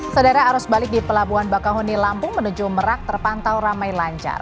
sedara arus balik di pelabuhan bakahuni lampung menuju merak terpantau ramai lancar